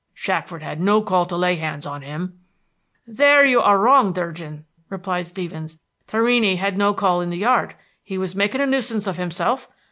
"Shackford had no call to lay hands on him." "There you are wrong, Durgin," replied Stevens. "Torrini had no call in the yard; he was making a nuisance of himself.